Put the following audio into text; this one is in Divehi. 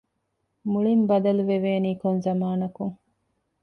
މުޅިން ބަދަލުވެވޭނީ ކޮން ޒަމާނަކުން؟